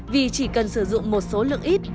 vì chỉ cần sử dụng một số lượng ít